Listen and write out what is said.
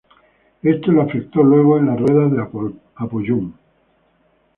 Esto lo afectó luego en las ruedas de Apollon.